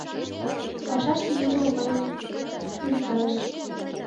Пашаште його мыйым чуриктарыш